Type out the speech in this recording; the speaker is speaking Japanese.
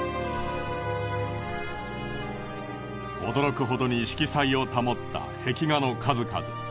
驚くほどに色彩を保った壁画の数々。